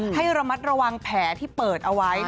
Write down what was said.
ให้ระมัดระวังแผลที่เปิดเอาไว้